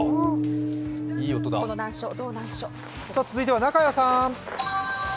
続いては中屋さん。